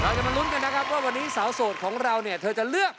เราจะมาลุ้นกันนะครับว่าวันนี้สาวโสดของเราเนี่ยเธอจะเลือก